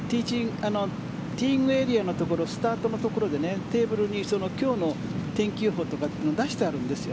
ティーイングエリアのところスタートのところでテーブルに今日の天気予報とかって出してあるんですよ。